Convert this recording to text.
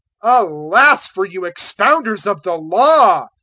011:052 "Alas for you expounders of the Law!